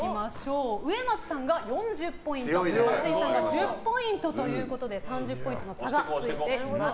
上松さんが４０ポイント松井さんが１０ポイントということで３０ポイントの差がついています。